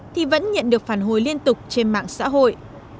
thì vẫn nhận được phản hồi liên tục trên mạng xã hội